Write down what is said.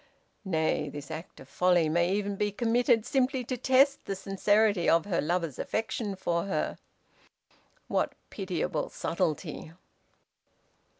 Nay, this act of folly may even be committed simply to test the sincerity of her lover's affection for her. What pitiable subtlety!